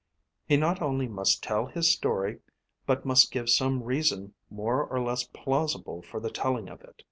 He not only must tell his story, but must give some reason more or less plausible for the telling of it.